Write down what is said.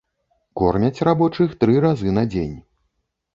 Кормяць рабочых тры разы на дзень.